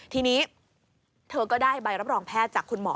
ทีนี้เธอก็ได้ใบรับรองแพทย์จากคุณหมอ